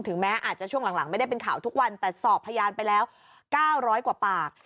แม้อาจจะช่วงหลังไม่ได้เป็นข่าวทุกวันแต่สอบพยานไปแล้ว๙๐๐กว่าปาก